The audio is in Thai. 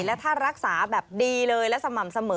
แล้วถ้ารักษาแบบดีเลยและสม่ำเสมอ